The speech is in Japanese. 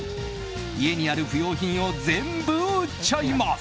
家にある不要品を全部売っちゃいます。